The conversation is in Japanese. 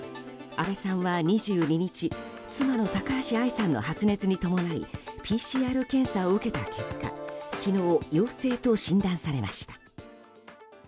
あべさんは２２日に妻の高橋愛さんの発熱に伴いＰＣＲ検査を受けた結果昨日、陽性と診断されました。